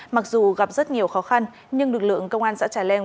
mặc dù gặp rất nhiều khó khăn nhưng lực lượng công an xã trà leng